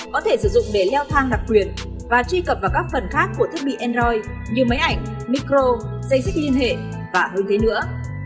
có thể sử dụng để leo thang đặc quyền và truy cập vào các phần khác của thiết bị android như máy ảnh micro dây xích liên hệ và hơn thế nữa